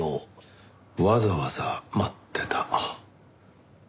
わざわざ待ってた。